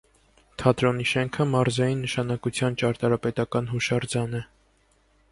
Թատրոնի շենքը մարզային նշանակության ճարտարապետական հուշարձան է։